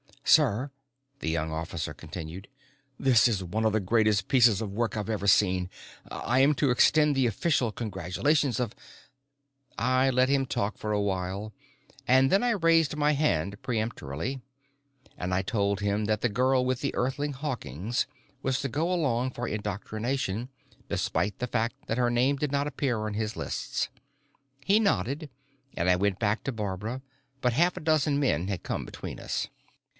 "Sir," the young officer continued, "this is one of the greatest pieces of work I've ever seen. I am to extend the official congratulations of " I let him talk for a while and then I raised my hand peremptorily and I told him that the girl with the Earthling Hawkins was to go along for indoctrination, despite the fact that her name did not appear on his lists. He nodded, and I went back to Barbara, but half a dozen men had come between us.